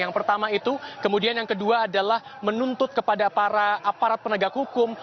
yang pertama itu kemudian yang kedua adalah menuntut kepada para aparat penegak hukum